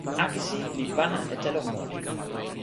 akesi li pana e telo moli.